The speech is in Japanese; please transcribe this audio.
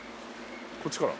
こっちから？